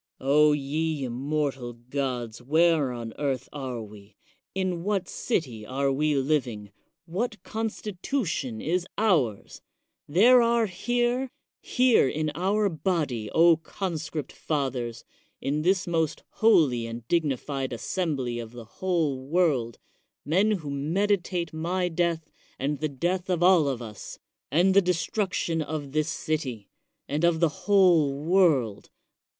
O ye immortal gods, where on earth are we? in what city are we living? what constitution is ours? There are here, — ^here in our body, O conscript fathers, in this the most holy and digni fied assembly of the whole world, men who medi tate my death, and the death of all of us, and the destruction of this city, and of the whole world.